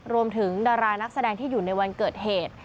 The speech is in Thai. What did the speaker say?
ดารานักแสดงที่อยู่ในวันเกิดเหตุ